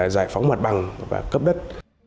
giải phóng mặt bằng và cấp đất